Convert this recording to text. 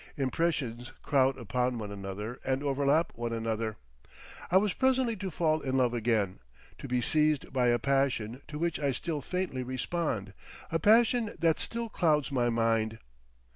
Impressions crowd upon one another and overlap one another; I was presently to fall in love again, to be seized by a passion to which I still faintly respond, a passion that still clouds my mind.